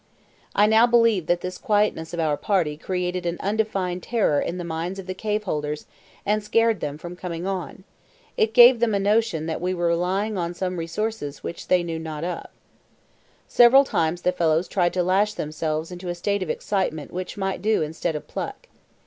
I now believe that this quietness of our party created an undefined terror in the minds of the cave holders and scared them from coming on; it gave them a notion that we were relying on some resources which they knew not of. Several times the fellows tried to lash themselves into a state of excitement which might do instead of pluck.